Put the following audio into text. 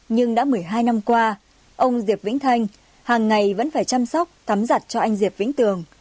nhưng đã một mươi hai năm qua ông diệp vĩnh thanh hàng ngày vẫn phải chăm sóc tắm giặt cho anh diệp vĩnh tường